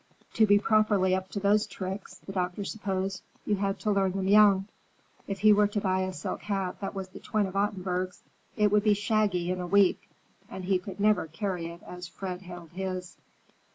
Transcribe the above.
To be properly up to those tricks, the doctor supposed, you had to learn them young. If he were to buy a silk hat that was the twin of Ottenburg's, it would be shaggy in a week, and he could never carry it as Fred held his.